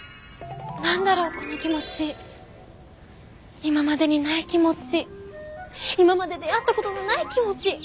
「何だろこの気持ち今までにない気持ち今まで出会ったことのない気持ち」。